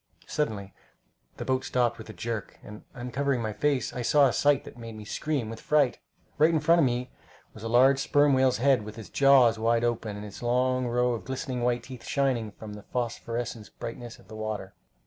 Suddenly the boat stopped with a jerk, and uncovering my face, I saw a sight that made me scream with fright. Right in front of me was a large sperm whale's head, with its jaws wide open, and its long row of white, glistening teeth shining from the phosphorescent brightness of the water.